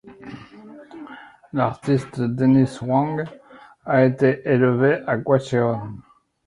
L'artiste Dennis Hwang a été élevé à Gwacheon.